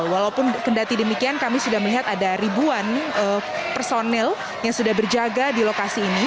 walaupun kendati demikian kami sudah melihat ada ribuan personil yang sudah berjaga di lokasi ini